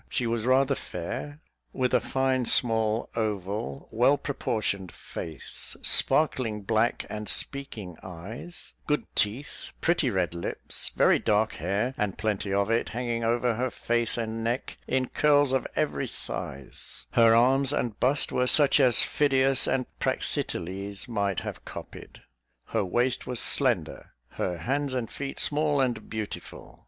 She was rather fair, with a fine, small, oval, well proportioned face, sparkling black and speaking eyes, good teeth, pretty red lips, very dark hair, and plenty of it, hanging over her face and neck in curls of every size; her arms and bust were such as Phidias and Praxiteles might have copied; her waist was slender; her hands and feet small and beautiful.